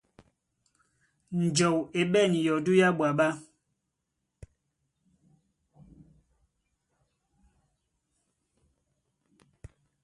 Njɔu e ɓɛ̂n yɔdú yá ɓwaɓɛ̀.